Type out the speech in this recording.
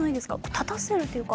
立たせるというか。